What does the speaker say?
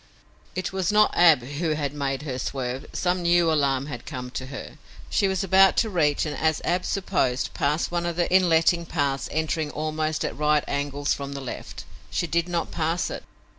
It was not Ab who had made her swerve. Some new alarm had come to her. She was about to reach and, as Ab supposed, pass one of the inletting paths entering almost at right angles from the left. She did not pass it.